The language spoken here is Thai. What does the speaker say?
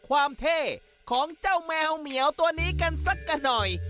เท่ของเจ้าแมวเหมียวตัวนี้กันสักกันหน่อย